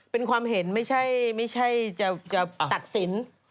เป็นความเห็นไม่ใช่จะตัดสิน